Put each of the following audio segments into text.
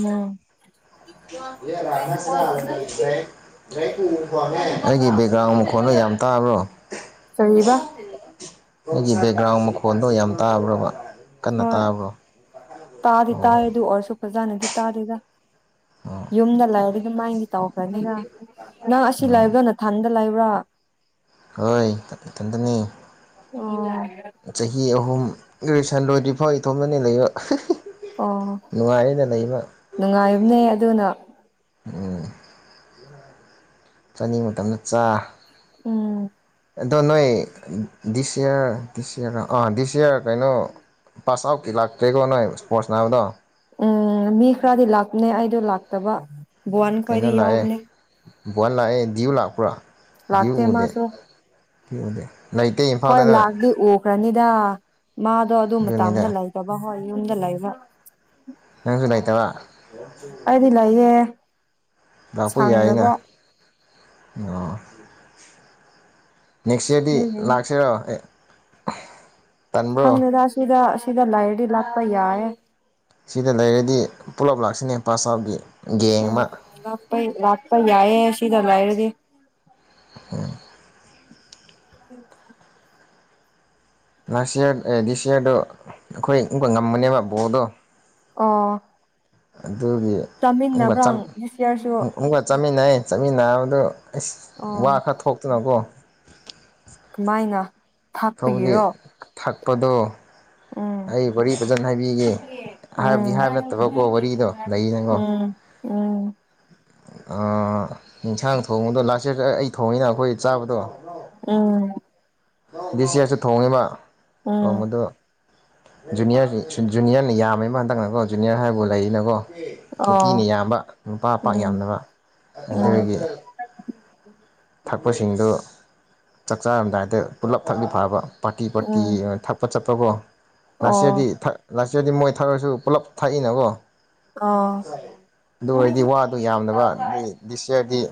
ꯎꯝ [unintelligible] ꯑꯩꯒꯤꯗꯤ ꯆꯥꯡ ꯃꯈꯣꯠꯅ ꯌꯥꯝ ꯇꯥꯕ꯭ꯔꯣ ꯀꯔꯤꯕ ꯑꯩꯒꯤ ꯕꯦꯛꯒ꯭ꯔꯥꯎꯟ ꯃꯈꯣꯟꯗꯣ ꯌꯥꯝ ꯇꯥꯕ꯭ꯔꯕ ꯀꯟꯅ ꯍꯣꯏ ꯇꯥꯕ꯭ꯔꯣ ꯇꯥꯗꯤ ꯑꯣ ꯇꯥꯢ ꯑꯗꯨ ꯑꯣꯔꯁꯨꯄꯜꯖꯥꯅ ꯗꯤ ꯇꯥꯗꯦꯗ ꯑꯣ ꯌꯨꯝꯗꯂ ꯑꯗꯨꯗꯤ ꯃꯥ ꯇꯧꯒꯅꯤꯅ ꯅꯪ ꯑꯁꯤ ꯂꯥꯏꯕꯒ ꯅꯊꯟꯗ ꯂꯥꯏꯕ ꯭ꯕꯔꯥ ꯍꯣꯏꯊꯟꯇꯅꯤ ꯑꯣ ꯆꯍꯤ ꯑꯍꯨꯝ ꯒ꯭ꯔꯦꯖꯨꯋꯌꯦꯁꯟ ꯂꯣꯏꯗꯤ ꯐꯥꯎ ꯏꯇꯣꯝꯇꯅꯤ ꯂꯩꯕ ꯑꯣ ꯅꯨꯡꯉꯥꯏꯌꯦꯅ ꯂꯩꯕ ꯅꯨꯡꯉꯥꯏ ꯑꯃꯅꯦ ꯑꯗꯨꯅ ꯎꯝ ꯆꯅꯤ ꯃꯇꯝꯅ ꯆꯥ ꯎꯝ ꯑꯗꯣ ꯅꯣꯏ ꯗꯤꯁ ꯏꯌꯥꯔꯗꯤꯁ ꯔ ꯑꯥ ꯗꯤꯁ ꯏꯌꯥꯔ ꯀꯩꯅꯣ ꯄꯥꯁ ꯑꯥꯎꯠꯀꯤ ꯂꯥꯛꯇꯦꯀꯣ ꯅꯣꯏ ꯏꯁ꯭ꯄꯣꯔꯠꯁ ꯅꯥꯕꯗꯣ ꯎꯝ ꯃꯤ ꯈꯔꯗꯤ ꯂꯥꯛꯅꯦ ꯑꯩꯗꯣ ꯂꯥꯛꯇꯕ ꯕꯣꯟ ꯀꯩꯅꯣ ꯈꯣꯏꯗꯤ ꯂꯥꯛꯑꯦ ꯌꯥꯎꯕꯅꯦ ꯕꯜ ꯂꯥꯛꯑꯦ ꯗꯤꯌꯨ ꯂꯥꯛꯄ꯭ꯔꯥ ꯗ꯭ꯌꯨ ꯂꯥꯥꯛꯇꯦ ꯎꯗꯦ ꯃꯥꯁꯨ [unintelligible] ꯏꯝꯐꯥꯜꯗ ꯑꯣꯏ ꯅꯣꯏ ꯂꯥꯛꯒꯗꯤ ꯎꯈ꯭ꯔꯅꯤ ꯌꯥ ꯃꯥꯗꯣ ꯑꯗꯨꯝꯕ ꯑꯗꯨꯅꯤꯗ ꯇꯥꯝꯅ ꯂꯩꯇꯕ ꯍꯣꯏ ꯌꯨꯝꯗ ꯂꯩꯕ ꯅꯪꯁꯨ ꯂꯩꯇꯕ ꯑꯩꯗꯤ ꯂꯩꯌꯦ ꯂꯥꯛꯄ ꯌꯥꯏꯅ ꯁꯪꯗꯕ ꯑꯣ ꯅꯦꯛꯁ ꯏꯌꯥꯔꯗꯤ ꯑꯗꯨꯒꯤꯅꯦ ꯂꯥꯛꯁꯤꯔꯣ ꯑꯦ ꯇꯟꯕ꯭ꯔꯣ ꯈꯪꯗꯦꯗ ꯁꯤꯗ ꯁꯤꯗ ꯂꯨꯔꯗꯤ ꯂꯥꯛꯄ ꯌꯥꯢꯌꯦ ꯁꯤꯗ ꯂꯩꯔꯗꯤ ꯄꯨꯂꯞ ꯂꯥꯛꯁꯤꯅꯦ ꯄꯥꯁ ꯑꯥꯎꯠꯒꯤ ꯎꯝ ꯂꯥꯛꯄꯥꯏ ꯂꯥꯛꯄ ꯌꯥꯏꯑꯦ ꯁꯤꯒ ꯂꯥꯏꯔꯒꯦ ꯎꯝ ꯂꯥꯁ ꯏꯌꯥꯔ ꯗꯤꯁ ꯏꯌꯥꯔꯗꯣ ꯑꯩꯈꯣꯏꯕ ꯉꯝꯕꯅꯦꯕ ꯕꯣꯔꯗꯣ ꯑꯣ [unintelligible] ꯑꯗꯨꯒꯤ ꯏ ꯆꯥꯃꯤꯟꯅꯕ꯭ꯔꯥ ꯆꯝ ꯗꯤꯁ ꯌꯔꯁꯨ ꯑꯣꯅꯨꯡꯀ ꯆꯥꯃꯤꯟ ꯅ ꯆꯃꯤ ꯅꯥꯕꯗꯣ ꯑꯁ ꯋꯥ ꯑꯣ ꯈꯔ ꯊꯣꯛꯇꯅꯀꯣ ꯀꯃꯥꯏꯅ ꯊꯕꯗꯤ ꯊꯥꯛꯄꯒꯤꯔꯣ ꯊꯥꯛ ꯀꯗꯣ ꯎꯝ ꯑꯩ ꯋꯥꯔꯤ ꯐꯖꯅ ꯍꯥꯏꯕꯤꯒꯦ ꯎꯝ ꯍꯥꯏꯕꯗꯤ ꯍꯥꯏꯕ ꯅꯠꯇꯕꯀꯣ ꯋꯥꯔꯤꯗꯣ ꯂꯩꯅꯉꯣ ꯎꯝ ꯑ ꯌꯦꯟꯁꯥꯡ ꯊꯣꯡꯗꯣ ꯂꯥꯁ ꯑꯩ ꯊꯣꯡꯉꯤꯅ ꯑꯩꯈꯣꯏ ꯆꯥꯕꯗꯣ ꯎꯝ ꯕꯤ ꯁꯤꯌꯥꯁꯨ ꯊꯣꯡꯉꯤꯕ ꯎꯝ ꯊꯣꯡꯕꯗꯣ ꯖꯨꯅꯤꯌꯔ ꯖꯨꯅꯤꯌꯔꯅ ꯌꯥꯝꯃꯦꯃ ꯍꯟꯇꯛꯅꯀꯣ ꯖꯨꯅꯤꯌꯔ ꯍꯥꯏꯕꯕꯨ ꯂꯩꯔꯤꯅꯀꯣ ꯅꯨꯄꯤꯅ ꯑꯣ ꯌꯥꯝꯕ ꯅꯨꯄꯥ ꯄꯥꯛ ꯎꯝ ꯌꯥꯝꯕ ꯑꯗꯨꯒꯤ ꯎꯝ ꯊꯛꯄꯁꯤꯡꯗꯨ ꯆꯥꯛ ꯆꯥꯔꯝꯗꯥꯏꯗ ꯄꯨꯜꯂꯞ ꯊꯛꯂꯤ ꯐꯕ ꯄꯥꯇꯤ ꯎꯝ ꯄꯥꯇꯤ ꯊꯥꯄꯠ ꯆꯠ ꯇꯕꯣ ꯑꯣ ꯂꯁꯤꯌꯥꯗꯤ ꯂꯥꯁꯌꯥꯔꯗꯤ ꯃꯣꯏ ꯊꯥꯔꯁꯨ ꯄꯨꯂꯞ ꯊꯥꯛꯏꯅꯀꯣ ꯑꯣ ꯑꯗꯨ ꯑꯣꯏꯔꯗꯤ ꯋꯥꯗꯨ ꯌꯥꯝꯗꯕ ꯑꯗꯨ ꯗꯤꯁꯌꯔꯗꯤ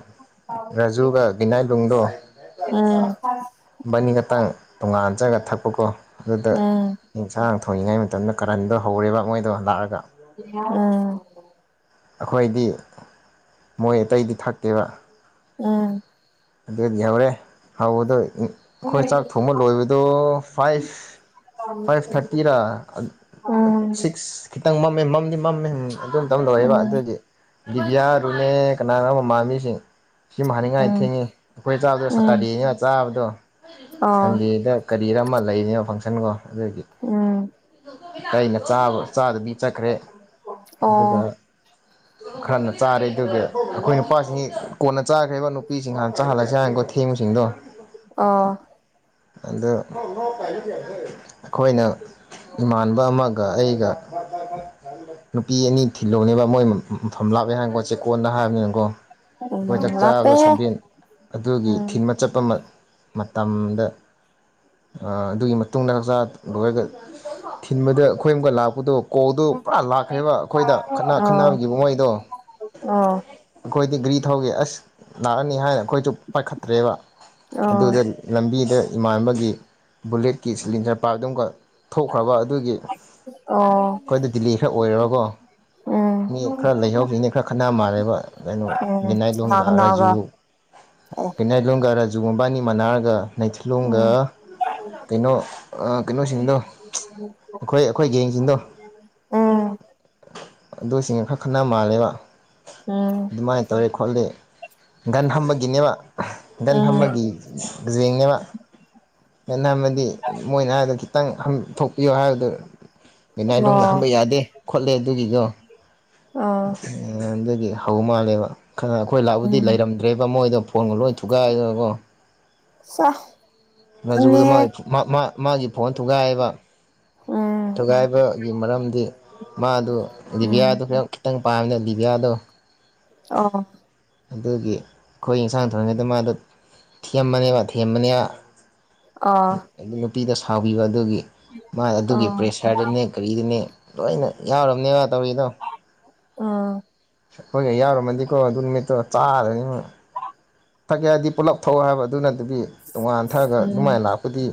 ꯔꯥꯖꯨꯒ ꯕꯤꯅꯥꯏꯕꯨꯡꯗꯣ ꯎꯝ ꯎꯝ ꯕꯅꯤꯈꯛꯇꯪ ꯇꯣꯡꯉꯥꯟꯖꯔꯒ ꯊꯛꯄꯀꯣ ꯑꯗꯨꯗ ꯎꯝ ꯑꯦꯟꯁꯥꯡ ꯊꯣꯡꯏꯉꯥꯏ ꯃꯇꯝ ꯃꯇꯝꯅ ꯀꯔꯟꯗꯣ ꯍꯧꯔꯦꯕ ꯃꯣꯏꯗꯣ ꯂꯥꯛꯑꯒ ꯎꯪ ꯑꯩꯈꯣꯏꯗꯤ ꯃꯣꯏ ꯑꯇꯩꯗꯤ ꯊꯛꯇꯦꯕ ꯑꯝ ꯑꯗꯨꯗꯤ ꯍꯧꯔꯦ ꯍꯧꯕꯗꯨ ꯑꯩꯈꯣꯏ ꯆꯥꯛ ꯊꯣꯡꯕ ꯂꯣꯏꯕꯗꯣ ꯐꯥꯏꯚ ꯐꯥꯏꯚ ꯊꯥꯔꯇꯤꯔꯥ ꯎꯝ ꯁꯤꯛꯁ ꯈꯤꯇꯪ ꯃꯦꯝ ꯃꯝꯗꯤ ꯃꯝꯃꯦ ꯑꯗꯨ ꯃꯇꯝ ꯂꯣꯏꯔꯦꯕ ꯑꯗꯨꯗꯤ ꯕꯤꯌꯥꯗꯨꯅꯦ ꯀꯌꯥꯅꯣ ꯃꯃꯥꯟꯃꯤꯁꯤꯡ ꯁꯤꯃ ꯍꯅꯤꯡꯉꯥꯏ ꯎꯝ ꯊꯦꯡꯉꯤ ꯑꯩꯈꯣꯏ ꯆꯥꯗ ꯎꯝ ꯎꯝ ꯁꯇꯥꯗꯤ ꯆꯥꯕꯗꯣ ꯑꯣ ꯁꯟꯗꯦꯗ ꯀꯔꯤꯔ ꯑꯃ ꯂꯩꯔꯤꯅꯦ ꯐꯪꯁꯟꯀꯣ ꯎꯝ ꯀꯩꯅ ꯆꯥꯕ ꯆꯥꯗꯕꯤ ꯆꯠꯈ꯭ꯔꯦ ꯑꯗꯨꯒ ꯑꯣ ꯈꯔꯅ ꯆꯥꯔꯦ ꯑꯗꯨꯒ ꯑꯩꯈꯣꯏ ꯅꯨꯄꯥꯁꯤꯡꯁꯤ ꯀꯣꯟꯅ ꯆꯥꯈ꯭ꯔꯦꯕ ꯅꯨꯄꯤꯁꯤꯡ ꯆꯥꯍꯜꯂꯁꯦ ꯍꯥꯏꯅ ꯊꯦꯡꯕꯁꯤꯡꯗꯣ ꯑꯣ ꯑꯗ ꯑꯩꯈꯣꯏꯅ ꯏꯃꯥꯟꯕ ꯑꯃꯒ ꯑꯩꯒ ꯅꯨꯄꯤ ꯑꯅꯤ ꯊꯤꯜꯍꯧꯅꯦꯕ ꯃꯣꯏ ꯃꯐꯝ ꯂꯥꯞꯑꯦ ꯍꯥꯏꯅꯀꯣ ꯆꯦꯛꯀꯣꯟꯗ ꯍꯥꯏꯕꯅꯤꯅꯀꯣ ꯑꯩꯈꯣꯏ ꯎꯝ ꯆꯥꯛ ꯆꯥꯕꯗꯣ ꯂꯞꯄꯦꯍꯦ ꯁꯕꯦꯟ ꯑꯗꯨꯒꯤ ꯊꯤꯟ ꯆꯠꯄ ꯑꯃ ꯃꯇꯝꯗ ꯑꯗꯨꯒꯤ ꯃꯇꯨꯡꯗ ꯍꯛꯆꯥꯡ ꯂꯣꯏꯔꯒ ꯊꯤꯟꯕꯗ ꯑꯩꯈꯣꯏ ꯑꯃꯨꯀ ꯂꯥꯛꯄꯗꯣ ꯀꯣꯜꯗꯨ ꯄꯨꯔꯥ ꯂꯥꯛꯈ꯭ꯔꯦꯕ ꯑꯩꯈꯣꯏꯗ ꯈꯠꯅ ꯑꯣ ꯈꯠꯅꯕꯒꯤꯈꯤꯕ ꯃꯣꯏꯗꯣ ꯑꯩꯈꯣꯏꯗꯤ ꯒ꯭ꯔꯤ ꯊꯧꯒꯦ ꯑꯁ ꯂꯥꯛꯑꯅꯤ ꯅꯤꯍꯥꯏ ꯑꯩꯈꯣꯏꯁꯨ ꯄꯥꯏꯈꯠꯇ꯭ꯔꯦꯕ ꯑꯣ ꯑꯗꯨꯗ ꯂꯝꯕꯤꯗ ꯏꯃꯥꯟꯅꯕꯒꯤ ꯕꯨꯂꯦꯠꯀꯤ ꯁꯤꯂꯤꯟꯖꯔ ꯄꯥ ꯑꯗꯨꯒꯒ ꯊꯣꯛꯈ꯭ꯔꯕ ꯑꯗꯨꯒꯤ ꯑꯣ ꯑꯩꯈꯣꯏꯗ ꯗꯤꯜꯂꯤ ꯈꯔ ꯑꯣꯏꯔꯔꯕ ꯎꯝ ꯎꯝ ꯃꯤ ꯈꯔ ꯂꯩꯍꯧꯕꯤꯅꯤ ꯈꯔ ꯈꯠꯅꯥ ꯃꯥꯜꯂꯦꯕ ꯀꯩꯅꯣ ꯀꯅꯥ ꯕꯤꯅꯥꯏꯂꯣꯗ ꯔꯥꯖꯨ ꯀꯅꯥꯒ ꯑꯦ ꯄꯤꯅꯠꯔꯣꯡꯒ ꯀꯥꯖꯨ ꯃꯕꯥꯅꯤ ꯃꯥꯟꯅꯥꯔꯒ ꯂꯩꯩꯊꯤꯂꯣꯡꯒ ꯎꯝ ꯀꯩꯅꯣ ꯀꯩꯅꯣꯁꯤꯡꯗꯣ ꯑꯩꯈꯣꯏ ꯑꯩꯈꯣꯏ ꯌꯦꯡꯁꯤꯡꯗꯣ ꯎꯝ ꯑꯗꯨꯁꯤꯡꯅ ꯈꯔ ꯈꯠꯅ ꯃꯥꯜꯂꯦꯕ ꯎꯝ ꯑꯗꯨꯃꯥꯏꯅ ꯇꯧꯔꯤ ꯈꯣꯠꯂꯤ ꯒꯟꯍꯝ ꯃ ꯒꯤꯅꯦꯕ ꯒꯟ ꯐꯝꯕꯒꯤꯖꯦꯡꯅꯦꯕ ꯒꯟ ꯍꯥꯝꯕꯗꯤ ꯃꯣꯏꯅ ꯍꯥꯏꯕꯗ ꯈꯤꯇꯪ ꯍꯪꯊꯣꯛ ꯄꯤꯌꯣ ꯍꯥꯏꯕꯗꯣ ꯎꯝ ꯅꯥꯏꯂꯣꯡꯗ ꯑꯣ ꯍꯝꯕ ꯌꯥꯗꯦ ꯈꯣꯠꯂꯦ ꯑꯗꯨꯒꯤꯗꯣ ꯑꯣ ꯍꯧ ꯃꯥꯥꯂꯦꯕ ꯈ ꯈ ꯑꯈꯣꯏ ꯂꯥꯛꯎꯗꯤ ꯎꯝ ꯂꯩꯔꯝꯗ꯭ꯔꯦ ꯃꯣꯏꯗ ꯐꯣꯟꯒ ꯂꯣꯏ ꯊꯨꯒꯥꯏꯗꯅꯀꯣ ꯁꯥ ꯈꯪꯉꯦꯍꯦ [unintelligible] ꯃꯥ ꯃꯥꯒꯤ ꯐꯣꯟ ꯊꯨꯒꯥꯏꯑꯕ ꯎꯝ ꯊꯨꯒꯥꯏꯕꯒꯤ ꯃꯔꯝꯗꯤ ꯃꯥꯗꯨ ꯎꯝ ꯗꯤꯚꯌꯥꯗꯨ ꯈꯤꯇꯪ ꯄꯥꯝꯅꯦ ꯗꯤꯕꯤꯌꯥꯗꯣ ꯑꯣ ꯑꯗꯨꯒꯤ ꯈꯣꯏ ꯏꯟꯁꯥꯡ ꯊꯣꯡꯔꯤꯉꯩꯗ ꯃꯥꯗꯣ ꯊꯦꯝꯃꯅꯦꯕ ꯊꯦꯝꯃꯅꯦꯕ ꯑꯣ ꯑꯗꯨ ꯄꯤꯗ ꯁꯥꯥꯎꯕꯤꯕ ꯑꯗꯨꯒꯤ ꯃꯥ ꯑꯗꯨꯒꯤ ꯑꯣ ꯄ꯭ꯔꯦꯁꯔꯗꯨꯅꯦ ꯀꯔꯤꯗꯅꯦ ꯂꯣꯏꯅ ꯌꯥꯎꯔꯝꯅꯦꯕ ꯇꯧꯔꯤꯗꯣ ꯎꯝ ꯍꯣꯏ ꯑꯌꯥ ꯃꯗꯤꯀꯣ ꯑꯗꯨ ꯅꯨꯃꯤꯠꯇꯣ ꯆꯥꯗ ꯊꯛꯑꯦ ꯍꯥꯏꯗꯤ ꯄꯨꯂꯞ ꯊꯛꯑꯣ ꯍꯥꯏꯕ ꯑꯗꯨꯅ ꯗꯨꯒꯤ ꯇꯣꯉꯥꯟ ꯊꯛꯑꯒ ꯑꯗꯨꯃꯥꯏ ꯎꯝ ꯂꯥꯛꯄꯗꯤ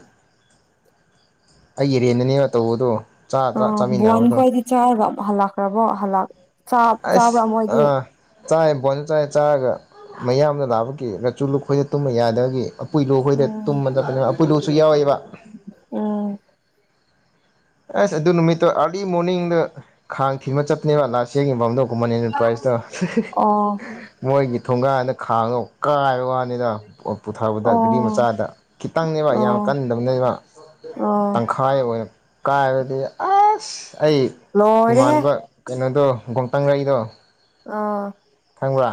ꯑꯩꯒꯤꯔꯦꯟꯗꯅꯦꯕ ꯇꯧꯕꯗꯣ ꯆꯥ ꯑ ꯆꯥ ꯕꯣꯟ ꯆꯥꯃꯤꯟꯅꯕꯗꯣ ꯈꯣꯏꯗꯤ ꯆꯥꯒ ꯍꯂꯛ ꯈ꯭ꯔꯕꯣ ꯍꯜꯂꯛ ꯆꯥꯛ ꯆꯥꯕ꯭ꯔꯥ ꯑꯁ ꯃꯣꯏꯗꯤ ꯑꯥ ꯆꯥꯏ ꯕꯣꯟꯗ ꯆꯥꯏ ꯆꯥꯔꯒ ꯃꯌꯥꯝꯗ ꯂꯥꯕ ꯀꯤ ꯃꯆꯨ ꯂꯨꯄꯩ ꯇꯨꯝꯕ ꯌꯥꯗꯕꯒꯤ ꯎꯄꯨꯏꯂꯣ ꯈꯣꯏꯗ ꯎꯝ ꯇꯨꯝꯕꯗꯕꯅꯦꯕ ꯎꯄꯨꯏꯂꯣꯁꯨ ꯌꯥꯎꯋꯦꯕ ꯎꯝ ꯑꯁ ꯑꯗꯨ ꯅꯨꯃꯤꯠꯇꯣ ꯑꯥꯔꯂꯤ ꯃꯣꯔꯅꯤꯡꯗ ꯈꯥꯡ ꯊꯤꯟꯕ ꯆꯠꯄꯅꯦꯕ ꯂꯥꯁ ꯃꯗ ꯀꯨꯝꯃꯅꯤ ꯄ꯭ꯔꯥꯏꯖꯇꯣ ꯑꯣ ꯃꯣꯏꯒꯤ ꯊꯣꯡꯒꯥꯟꯅ ꯈꯥꯡꯉ ꯀꯥꯏꯕ ꯋꯥ ꯅꯤꯗ ꯄꯨꯊꯕꯗ ꯒꯔꯤ ꯑꯣ ꯃꯆꯥꯗ ꯈꯤꯇꯪꯅꯦꯕ ꯌꯥꯝ ꯑꯣ ꯀꯟꯗꯕꯅꯦꯕ ꯑꯣ ꯇꯪꯈꯥꯏ ꯑꯣꯏꯔ ꯑꯥꯏꯕꯗꯤ ꯑꯁ ꯑꯩ ꯂꯣꯏꯔꯦꯍꯦ ꯏꯃꯥꯟꯕ ꯀꯩꯅꯣ ꯇꯣ ꯕꯣꯡꯇꯥꯡꯉꯏꯗꯣ ꯑꯥ ꯎꯋꯥ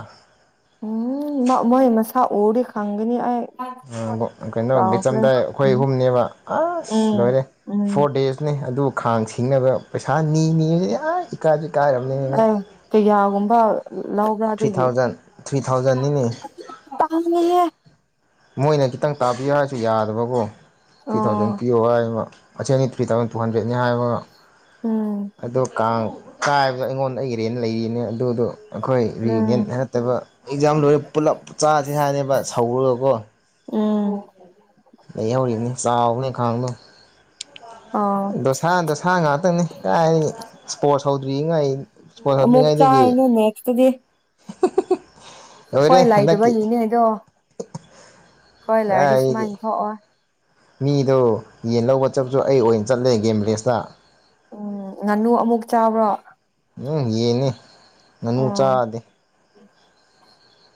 ꯎꯝ ꯃ ꯃꯣꯏ ꯃꯁꯥ ꯎꯔꯗꯤ ꯈꯪꯒꯅꯤ ꯑꯩ ꯑ ꯕꯣ ꯀꯩꯅꯣ ꯀꯥꯎꯈ꯭ꯔꯦ ꯕꯤꯆꯝꯗꯥꯏ ꯑꯩꯈꯣꯏ ꯎꯝ ꯑꯍꯨꯝꯅꯦꯕ ꯑꯁ ꯂꯣꯏꯔꯦ ꯎꯝ ꯐꯣꯔ ꯗꯦꯖꯅꯤ ꯑꯗꯨ ꯈꯥꯡ ꯁꯤꯡꯅꯕ ꯄꯩꯁꯥ ꯅꯤ ꯅꯤ ꯑꯁ ꯏꯀꯥꯏ ꯑ ꯀꯩꯌꯥꯒꯨꯝꯕ ꯂꯧꯕ꯭ꯔꯥ ꯊ꯭ꯔꯤ ꯑꯗꯨꯒꯤꯍꯦ ꯊꯥꯎꯖꯟ ꯊ꯭ꯔꯤ ꯊꯥꯎꯖꯟꯅꯤꯅꯦ ꯃꯣꯏꯅ ꯈꯤꯇꯪ ꯇꯥꯕꯤꯌꯣ ꯍꯥꯏꯁꯨ ꯌꯥꯗꯕꯀꯣ ꯊ꯭ꯔꯤ ꯊꯥꯎꯖꯟ ꯑꯣ ꯄꯤꯌꯣ ꯍꯥꯏ ꯑꯗꯨꯒ ꯑꯆꯦꯟ ꯑꯅꯤ ꯊ꯭ꯔꯤ ꯊꯥꯎꯖꯟ ꯇꯨ ꯍꯟꯗ꯭ꯔꯦꯠꯅꯤ ꯍꯥꯏꯔꯒ ꯎꯝ ꯑꯗꯣ ꯀꯥꯡ ꯀꯥꯏ ꯍꯥꯏꯕꯗꯣ ꯑꯩꯉꯣꯟꯗ ꯏꯔꯦꯅꯦ ꯂꯩꯔꯤꯅꯦ ꯑꯗꯨꯗꯣ ꯑꯩꯈꯣꯏ ꯔꯤꯌꯨꯅꯤꯌꯟ ꯎꯝ ꯅꯠꯇꯕ ꯑꯦꯛꯖꯥꯝ ꯂꯣꯏꯔꯦ ꯄꯨꯂꯞ ꯆꯁꯤ ꯍꯥꯏꯅꯦꯕ ꯁꯧꯔꯨꯔꯀꯣ ꯎꯝ ꯅꯤ ꯁꯥꯕꯅꯤ ꯈꯥꯡ ꯂꯣ ꯑꯥ ꯗꯣꯁꯥ ꯗꯣꯁꯥ ꯉꯥꯛꯇꯪꯅꯤ ꯀꯥꯏ ꯏꯁꯄꯣ ꯑꯃꯃꯨꯛ ꯆꯥꯅ ꯅꯦꯛꯁ ꯗꯦ ꯂꯣꯏꯔꯦ ꯀꯣꯏ ꯍꯟꯗꯛꯀꯤ ꯂꯥꯛꯗꯕꯩꯅꯦꯗꯣ ꯀꯣꯏ ꯂꯥꯏꯔꯤꯁ ꯃꯥ ꯀꯥꯏꯗꯒꯤ ꯊꯣꯛꯑꯣ ꯃꯤꯗꯣ ꯌꯦꯟ ꯂꯧꯕ ꯆꯠꯄꯁꯨ ꯑꯩ ꯑꯣꯏꯅ ꯆꯠꯂꯦ ꯒꯦꯝꯕ꯭ꯔꯦꯖꯇ ꯎꯝ ꯉꯥꯅꯨ ꯑꯃꯨꯛ ꯆꯥꯕ꯭ꯔꯣ ꯎꯝ ꯌꯦꯅꯦ ꯉꯥꯅꯨ ꯑꯣ ꯆꯥꯗꯦ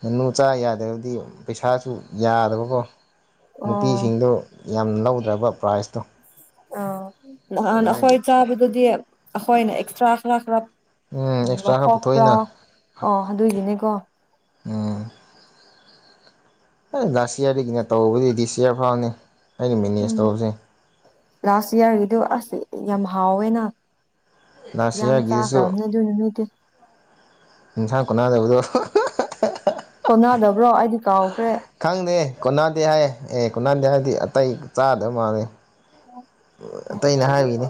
ꯉꯅꯨꯆꯥ ꯌꯥꯗ꯭ꯔꯕꯗꯤ ꯄꯩꯁꯥꯁꯨ ꯌꯥꯗꯕꯀꯣ ꯑꯣ ꯅꯨꯄꯤꯁꯤꯡꯗꯣ ꯌꯥꯝ ꯂꯧ ꯎꯗ꯭ꯔꯕ ꯄ꯭ꯔꯥꯏꯖꯇꯣ ꯑ ꯅꯥꯟꯈꯣꯏ ꯆꯥꯕꯗꯨꯗꯤ ꯑꯩꯈꯣꯏꯅ ꯑꯦꯛꯁꯇ꯭ꯔꯥ ꯈꯔ ꯈꯔ ꯎꯝ ꯑꯦꯛꯁꯇ꯭ꯔꯥ ꯈꯔ ꯂꯧꯊꯣꯛꯄ꯭ꯔꯥ ꯄꯨꯊꯣꯛꯏꯅ ꯑ ꯑꯗꯨꯏꯁꯤꯅꯦꯀꯣ ꯎꯝ ꯍ ꯂꯥꯁ ꯏꯌꯥꯔꯗꯒꯤꯅꯦ ꯇꯧꯕꯕꯨꯗꯤ ꯗꯤꯁ ꯏꯌꯥꯔ ꯐꯥꯎꯅꯤ ꯑꯩꯅ ꯃꯦꯅꯦꯖ ꯎꯝ ꯇꯧꯕꯁꯦ ꯂꯥꯁ ꯏꯌꯥꯔꯒꯤꯗꯤ ꯑꯁꯦ ꯌꯥꯝ ꯍꯥꯎꯋꯦꯅ ꯂꯥꯁ ꯌꯥꯝ ꯏꯌꯥꯔꯒꯤꯗꯨꯁꯨ ꯆꯥꯈ꯭ꯔꯝꯅ ꯑꯗꯨꯅ ꯃꯗꯤ ꯏꯟꯁꯥꯡ ꯀꯣꯟꯅꯥꯗꯕꯗ ꯀꯣꯟꯅꯥꯗꯕ꯭ꯔꯣ ꯑꯩꯗꯤ ꯀꯥꯎꯈ꯭ꯔꯦ ꯈꯪꯗꯦ ꯀꯣꯟꯅꯗꯦ ꯍꯥꯏ ꯑꯦ ꯀꯣꯟꯅꯥꯗꯦ ꯍꯥꯏꯔꯗꯤ ꯑꯇꯩ ꯆꯥꯗꯕ ꯃꯥꯜꯂꯦ ꯑꯇꯩꯅ ꯍꯥꯏꯕꯒꯤꯅꯤ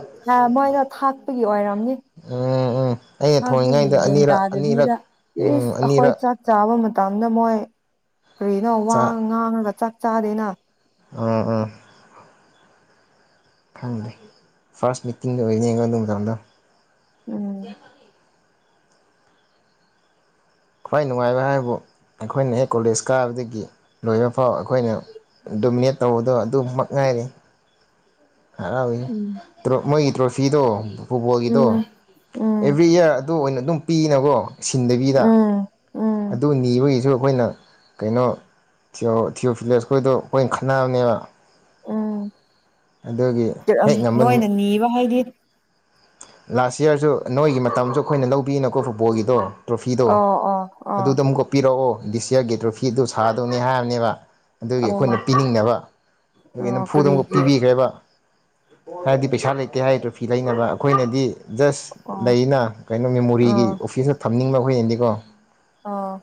ꯃꯣꯏꯗ ꯊꯥꯛꯄꯒꯤ ꯑꯣꯏꯔꯝꯅꯤ ꯎꯝ ꯎꯝ ꯑꯩꯅ ꯊꯥꯛꯄꯒꯤ ꯊꯣꯡꯉꯤꯉꯩꯗ ꯒꯟ ꯑꯅꯤꯔꯛ ꯑꯅꯤꯔꯛ ꯇꯥꯗꯕꯤꯗ ꯎꯝ ꯑꯩꯈꯣꯏ ꯑꯅꯤꯔꯛ ꯆꯥꯛ ꯆꯥꯕ ꯃꯇꯝ ꯇꯥꯟꯗꯃꯣꯏ ꯀꯩꯅꯣ ꯋꯥꯡ ꯆꯥ ꯉꯥꯡꯉꯒ ꯆꯥꯛ ꯆꯥꯗꯦꯅ ꯎꯝ ꯎꯝ ꯈꯪꯗꯦ ꯐꯥꯔꯁ ꯃꯤꯇꯤꯡꯗ ꯑꯣꯏꯅꯤ ꯌꯦꯡꯉꯣ ꯑꯗꯨ ꯃꯇꯝꯗꯣ ꯌꯥ ꯎꯝ ꯈ꯭ꯋꯥꯏ ꯅꯨꯡꯉꯥꯏꯕ ꯍꯥꯏꯕꯨ ꯑꯩꯈꯣꯏꯅ ꯍꯦꯛ ꯀꯣꯂꯦꯖ ꯀꯥꯕꯗꯒꯤ ꯂꯣꯏꯕ ꯐꯥꯎ ꯑꯩꯈꯣꯏꯅ ꯗꯣꯃꯤꯅꯦꯠ ꯇꯧꯕꯗꯣ ꯑꯗꯨꯃꯛ ꯉꯥꯏꯔꯤ ꯍꯔꯥꯎꯏ ꯎꯝ ꯇ꯭ꯔꯣ ꯃꯣꯏ ꯇ꯭ꯔꯣꯐꯤꯗꯣ ꯐꯨꯠꯕꯣꯜꯒꯤꯗꯣ ꯎꯝ ꯎꯝ ꯑꯦꯕ꯭ꯔꯤ ꯏꯌꯥꯔ ꯑꯗꯨ ꯑꯣꯏꯅ ꯑꯗꯨꯝ ꯄꯤꯅꯀꯣ ꯁꯤꯟꯗꯕꯤꯗ ꯎꯝ ꯑꯗꯨ ꯅꯤꯕꯒꯤꯁꯨ ꯑꯩꯈꯣꯏꯅ ꯀꯩꯅꯣ ꯊꯤꯌ ꯊꯤꯌꯑꯣꯐꯤꯂꯦꯁꯈꯣꯏꯗꯣ ꯑꯩꯈꯣꯏꯅ ꯈꯕꯅꯦꯕ ꯎꯝ ꯍꯦꯛ ꯉꯝꯕ ꯅꯣꯏꯅ ꯅꯨꯃꯤꯠ ꯅꯤꯕ ꯍꯥꯏꯗꯤ ꯂꯥꯁ ꯏꯌꯥꯔꯁꯨ ꯅꯣꯏꯒꯤ ꯃꯇꯝꯁꯨ ꯑꯩꯈꯣꯏꯅ ꯂꯧꯕꯤꯅꯀꯣ ꯐꯨꯠꯕꯣꯜꯒꯤꯗꯣ ꯇ꯭ꯔꯣꯐꯤꯗꯣ ꯑꯣ ꯑꯣ ꯑꯣ ꯑꯗꯨꯗ ꯑꯃꯨꯛꯀꯛꯄꯤꯔꯛꯑꯣ ꯗꯤꯁ ꯌꯥꯔꯒꯤ ꯇ꯭ꯔꯣꯐꯤ ꯑꯗꯨ ꯁꯥꯗꯧꯅꯤ ꯍꯥꯏꯕꯅꯦꯕ ꯑꯗꯨꯒꯤ ꯑꯣ ꯑꯩꯈꯣꯏꯅ ꯄꯤꯅꯤꯡꯅꯕ ꯑꯗꯨꯒꯤ ꯑꯣ ꯅꯝꯐꯨꯗ ꯑꯃꯨꯛ ꯀꯔꯤꯒꯤ ꯄꯤꯕꯤꯈ꯭ꯔꯦꯕ ꯍꯥꯏꯗꯤ ꯄꯩꯁꯥ ꯂꯩꯇꯦ ꯍꯥꯏ ꯇ꯭ꯔꯣꯐꯤ ꯂꯩꯅꯕ ꯑꯩꯈꯣꯏꯅꯗꯤ ꯖꯁ ꯑꯣ ꯂꯩꯅ ꯀꯩꯅꯣ ꯃꯦꯃꯣꯔꯤꯒꯤ ꯑꯣꯐꯤꯁꯅ ꯊꯝꯅꯤꯡꯕ ꯍꯈꯣꯏꯅꯗꯤꯀꯣ ꯑꯣ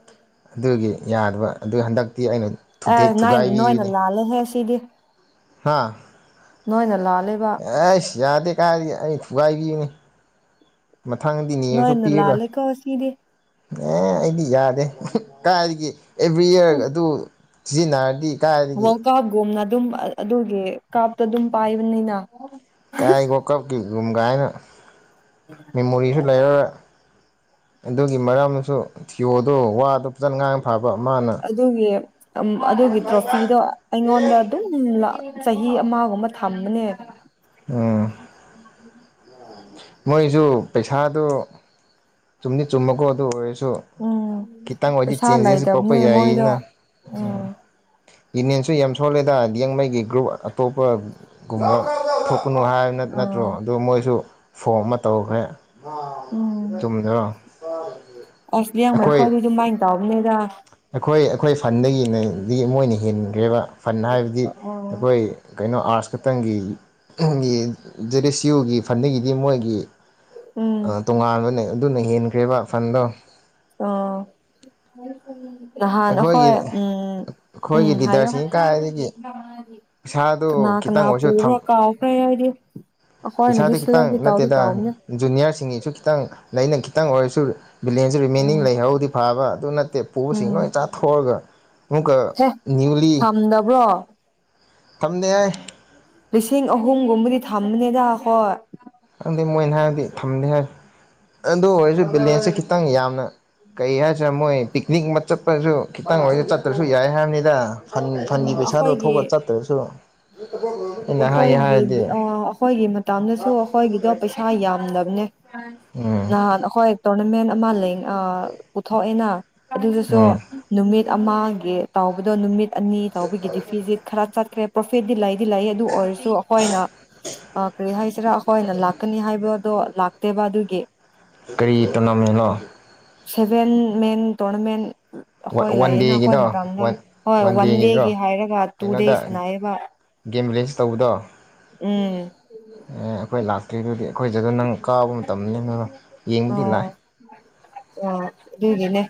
ꯑꯗꯨꯒꯤ ꯌꯥꯗꯕ ꯑꯗꯨ ꯍꯟꯗꯛꯇꯤ ꯑꯩꯅ ꯊꯨꯗꯦꯛ ꯑꯦ ꯅꯣꯏ ꯅꯣꯏꯅ ꯊꯨꯒꯥꯏꯕꯤꯕꯅꯤ ꯂꯥꯜꯂꯦꯍꯦ [inaudible] ꯍꯥꯥ ꯅꯣꯏꯅ ꯂꯥ ꯑꯩꯁ ꯌꯥꯗꯦ ꯀꯥꯏꯗꯤ ꯑꯩ ꯊꯨꯒꯥꯏꯕꯤꯅꯤ ꯃꯊꯪꯗꯤ ꯅꯤꯔꯁꯨ ꯅꯣꯏꯅ ꯄꯤꯔꯔꯣꯏ ꯂꯥꯜꯂꯦꯀꯣ ꯁꯤꯗꯤ ꯑꯦ ꯑꯩꯗꯤ ꯌꯥꯗꯦ ꯀꯥꯏꯒꯤ ꯑꯦꯕ꯭ꯔꯤ ꯏꯌꯥꯔ ꯑꯗꯨ ꯁꯤꯖꯤꯅꯔꯗꯤ ꯋꯥꯜꯀꯞꯒꯨꯝꯅ ꯑꯗꯨꯝ ꯑꯗꯨꯒꯤ ꯀꯥꯞꯇ ꯑꯗꯨꯝ ꯄꯥꯏꯕꯅꯤꯅ ꯀꯥꯏ ꯋꯥꯀꯞꯀꯤ ꯌꯨꯝꯒꯥꯏꯅ ꯃꯦꯃꯣꯔꯤꯁꯨ ꯂꯩꯔꯔꯣꯏ ꯑꯗꯨꯒꯤ ꯃꯔꯝꯅꯁꯨ ꯊꯤꯑꯣꯗꯣ ꯋꯥꯗꯣ ꯐꯖꯅ ꯉꯥꯡꯅ ꯐꯥꯕ ꯑꯗꯨꯒꯤ ꯑꯗꯨꯒꯤ ꯇ꯭ꯔꯣꯐꯤꯗꯣ ꯑꯩꯉꯣꯟꯗ ꯑꯗꯨꯝ ꯆꯍꯤ ꯑꯃꯒꯨꯝꯕ ꯊꯝꯕꯅꯦ ꯎꯝ ꯃꯣꯏꯁꯨ ꯄꯩꯁꯥꯗꯨ ꯆꯨꯝꯅꯤ ꯆꯨꯝꯃꯀꯣ ꯑꯗꯨ ꯑꯣꯏꯔꯁꯨ ꯁꯨ ꯎꯝ ꯈꯤꯇꯪ ꯑꯣꯏꯗꯤ ꯄꯩꯁꯥ ꯆꯦꯟꯖꯦꯁꯁꯨ ꯄꯔꯛꯄ ꯂꯩꯇꯕꯅꯦ ꯃꯣꯏꯗꯣ ꯌꯥꯏꯅ ꯎꯝ ꯌꯨꯅꯤꯌꯟꯁꯨ ꯌꯥꯝ ꯁꯣꯜꯂꯦꯗ ꯌꯦꯡꯉꯩꯒꯤ ꯒ꯭ꯔꯨꯞ ꯑꯇꯣꯞꯄ ꯒꯨꯝꯕ ꯊꯣꯛꯄꯅꯨ ꯍꯥꯏꯕ ꯅꯠꯇ꯭ꯔꯣ ꯑꯥ ꯑꯗꯨꯗ ꯃꯣꯏꯁꯨ ꯐꯣꯟ ꯑꯃ ꯇꯧꯈ꯭ꯔꯦ ꯆꯨꯝꯗꯔꯣ ꯑ ꯑꯁꯂꯤ ꯂꯤꯌꯥꯡꯃꯩ ꯑꯩꯈꯣꯏ ꯑꯗꯨ ꯑꯗꯨꯝ ꯃꯥꯏꯅ ꯇ ꯑꯅꯦꯗ ꯑꯩꯈꯣꯏ ꯑꯩꯈꯣꯏ ꯐꯟꯗꯒꯤꯅꯗꯒꯤ ꯃꯣꯏꯅ ꯍꯦꯟꯈ꯭ꯔꯦꯕ ꯐꯟ ꯍꯥꯏꯕꯗꯤ ꯑꯩꯈꯣꯏ ꯀꯩꯅꯣ ꯑꯥꯔꯠꯁ ꯈꯛꯇꯪꯒꯤ ꯖꯦꯗꯤ ꯑꯦꯁ ꯌꯨꯒꯤ ꯐꯟꯗꯤꯡꯒꯤꯗꯤ ꯃꯣꯏꯒꯤ ꯎꯝ ꯑ ꯇꯣꯉꯥꯟꯕꯅꯦ ꯑꯗꯨꯅ ꯍꯦꯟꯈ꯭ꯔꯦꯕ ꯐꯟꯗꯣ ꯑꯥ ꯅꯍꯥꯟ ꯍꯈꯣꯏ ꯑꯩꯈꯣꯏꯒꯤ ꯎꯝ ꯎꯝ ꯑꯩꯈꯣꯏꯒꯤ ꯍꯥꯏꯌꯣ ꯂꯤꯗꯔꯁꯤꯡ ꯀꯥꯏꯗꯒꯤ ꯀꯅꯥ ꯄꯩꯁꯥꯗꯨ ꯀꯅꯥ ꯈꯤꯇꯪ ꯄꯨꯕ꯭ꯔꯥ ꯀꯥꯎꯈꯔ꯭ꯦ ꯑꯩꯗꯤ ꯑꯩꯈꯣꯏꯅꯗꯤ ꯄꯩꯁꯥꯗꯤ ꯈꯤꯇꯪ ꯁꯦꯂꯦꯛꯇꯤ ꯇꯧꯗꯤ ꯅꯠꯇꯦꯗ ꯇꯧꯕꯅꯦ ꯖꯨꯅꯤꯌꯥꯔꯁꯤꯡꯒꯤꯁꯨ ꯈꯤꯇꯪ ꯂꯩꯅ ꯈꯤꯇꯪ ꯑꯣꯏꯔꯁꯨ ꯕꯤꯂꯦꯟꯁꯦ ꯔꯤꯃꯦꯦꯟꯅꯤꯡ ꯎꯝ ꯂꯩꯍꯧꯗꯤ ꯐꯥꯕ ꯑꯗꯨ ꯅꯠꯇꯦ ꯄꯨꯁꯤꯡ ꯎꯝ ꯂꯣꯏ ꯆꯥꯊꯣꯛꯑꯒ ꯑꯃꯨꯛꯀ ꯍꯦ ꯅꯅꯤꯌꯨꯂꯤ ꯊꯝꯗꯕ꯭ꯔꯣ ꯊꯝꯗꯦ ꯍꯥꯏ ꯂꯤꯁꯤꯡ ꯑꯍꯨꯝꯒꯨꯝꯕꯗꯤ ꯊꯝꯕꯅꯦꯗ ꯍꯣꯏ ꯑꯗꯨꯗꯤ ꯃꯣꯏꯅ ꯍꯥꯏꯔꯗꯤ ꯊꯝꯅꯤ ꯍꯥꯏ ꯑꯗꯨ ꯑꯣꯏꯔꯁꯨ ꯕꯦꯂꯦꯟꯁꯦ ꯈꯤꯇꯪ ꯌꯥꯝ ꯀꯩ ꯍꯥꯏꯁꯤꯔꯦ ꯃꯣꯏ ꯄꯤꯛꯅꯤꯛ ꯑꯃ ꯆꯠꯄꯁꯨ ꯈꯤꯇꯪ ꯑꯣꯏꯅ ꯆꯠꯇ꯭ꯔꯁꯨ ꯌꯥꯏ ꯍꯥꯏꯕꯅꯤꯗ ꯐꯟ ꯐꯟꯒꯤ ꯎꯝ ꯄꯩꯁꯥꯗꯣ ꯑꯩꯈꯣꯏꯒꯤ ꯊꯣꯛꯂ ꯆꯠꯇ꯭ꯔꯁꯨ ꯑꯩꯅ ꯍꯥꯏꯌꯦ ꯑꯩꯈꯣꯏꯒꯤ ꯍꯥꯏꯔꯗꯤ ꯑꯩꯈꯣꯏꯒꯤ ꯃꯇꯝꯗꯁꯨ ꯑꯩꯈꯣꯏꯒꯤꯗꯣ ꯄꯩꯁꯥ ꯌꯥꯝꯗꯕꯅꯦ ꯎꯝ ꯅꯍꯥꯟ ꯑꯈꯣꯏ ꯇꯣꯔꯅꯥꯃꯦꯟ ꯃꯥ ꯂꯩ ꯑ ꯄꯨꯊꯣꯛꯑꯦꯅ ꯑꯗꯨꯗꯁꯨ ꯎꯝ ꯅꯨꯃꯤꯠ ꯑꯃꯒꯤ ꯇꯥꯎꯕꯗꯣ ꯅꯨꯃꯤꯠ ꯑꯅꯤ ꯇꯧꯕꯒꯤ ꯗꯤꯐꯤꯁꯤꯠ ꯈꯔ ꯆꯠꯈ꯭ꯔꯦ ꯄꯣꯐꯦꯗꯗꯤ ꯂꯩ ꯂꯩ ꯑꯗꯨ ꯑꯣꯏꯔꯁꯨ ꯑꯩꯈꯣꯏꯅ ꯀꯔꯤ ꯍꯥꯏꯁꯤꯔꯥ ꯑꯩꯈꯣꯏꯅ ꯂꯥꯛꯀꯅꯤ ꯍꯥꯏꯕꯗꯣ ꯂꯥꯛꯇꯦꯕ ꯑꯗꯨꯒꯤ ꯀꯔꯤ ꯇꯣꯅꯥꯃꯦꯟꯅꯣ ꯁꯚꯦꯟ ꯃꯦꯟ ꯇꯣꯅꯥꯃꯦꯟ ꯋꯥꯟ ꯗꯦꯒꯤꯗꯣ ꯋꯥꯟ ꯄꯟꯗꯦꯒꯤ ꯗꯦꯒꯤꯗꯣ ꯍꯥꯏꯔꯒ ꯇꯨꯗꯦ ꯀꯩꯅꯣꯗ ꯁꯅꯥꯏꯕ ꯒꯦꯝ ꯎꯝ ꯑꯦ ꯑꯩꯈꯣꯏ ꯂꯥꯛꯇꯦ ꯑꯗꯨꯗꯤ ꯑꯩꯈꯣꯏꯁꯤꯗ ꯅꯪ ꯀꯥꯕ ꯃꯇꯝꯅꯤ ꯑꯗꯨꯅ ꯌꯦꯡꯕꯗꯤ ꯂꯥꯛꯏ ꯑ ꯑꯗꯨꯒꯤꯅꯦ